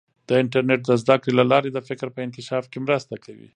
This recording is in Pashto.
د انټرنیټ د زده کړې له لارې د فکر په انکشاف کې مرسته کوي.